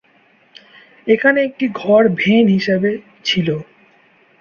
এখানে একটি ঘর ভেন হিসাবে ছিল।